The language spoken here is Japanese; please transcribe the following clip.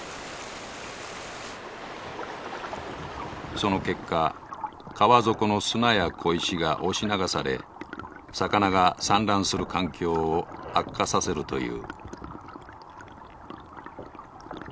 その結果川底の砂や小石が押し流され魚が産卵する環境を悪化させるという。